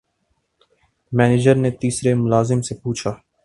manager نے تیسرے ملازم سے پوچھا